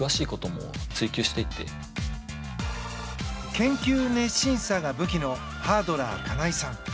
研究熱心さが武器のハードラー、金井さん。